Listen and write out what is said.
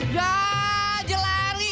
ya aja lari